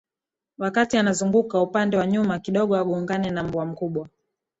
Wakati anazunguka upande wa nyuma kidogo agongane na mbwa mkubwa